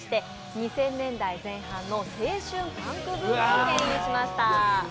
２０００年代前半の青春パンクブームをけん引しました。